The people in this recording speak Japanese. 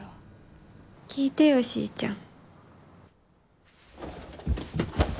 聞いてよ、シイちゃん。